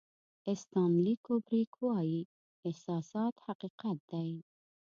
استنلي کوبریک وایي احساسات حقیقت دی.